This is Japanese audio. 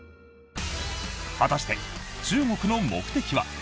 果たして、中国の目的は？